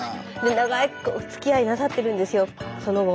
長くおつきあいなさってるんですよその後。